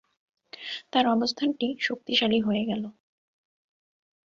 তার অবস্থানটি শক্তিশালী হয়ে গেল।